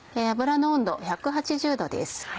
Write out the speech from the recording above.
油の温度１８０℃です。